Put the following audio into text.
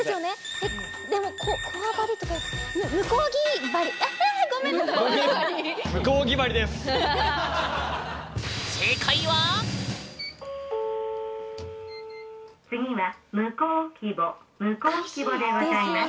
えっでもここわばりとか「向木風でございます」。